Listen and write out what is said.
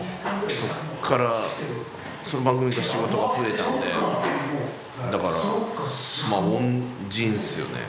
そこから、その番組から仕事が増えたので、だから、恩人ですよね。